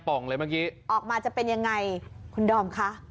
ออกมาจะเป็นยังไงคุณดอมคะ